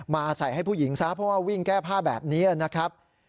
มาใส่ให้ผู้หญิงซะเพราะว่าวิ่งแก้ผ้าแบบนี้นะครับ